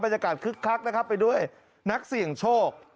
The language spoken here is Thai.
บรรยากาศคึกคักนะครับไปด้วยนักเสี่ยงโชค